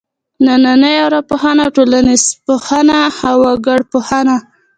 نننۍ ارواپوهنه او ټولنپوهنه او وګړپوهنه.